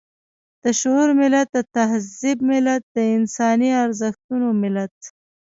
د شعور ملت، د تهذيب ملت، د انساني ارزښتونو ملت.